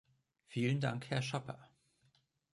Vielen Dank, Herr Schapper.